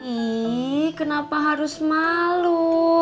ih kenapa harus malu